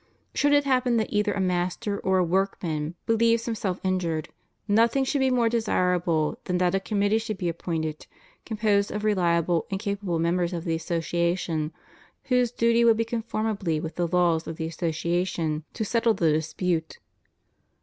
Should it happen that either a master or a workman believe him self injured, nothing would be more desirable than that a committee should be appointed composed of reliable and capable members of the association, whose duty would be, conformably with the rules of the association, to settle the dispute.